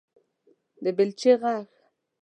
_د بېلچې غږ